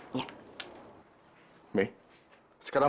mi sekarang tasya di mana